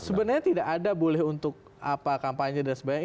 sebenarnya tidak ada boleh untuk apa kampanye dan sebagainya